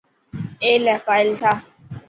اي لڊ فائل ٺاهه.